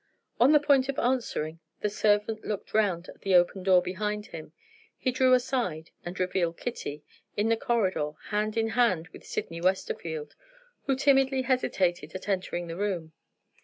On the point of answering, the servant looked round at the open door behind him. He drew aside, and revealed Kitty, in the corridor, hand in hand with Sydney Westerfield who timidly hesitated at entering the room.